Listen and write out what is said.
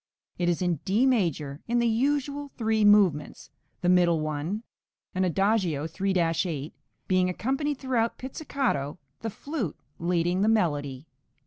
It is in D major, in the usual three movements, the middle one, an adagio 3 8, being accompanied throughout pizzicato, the flute leading the melody.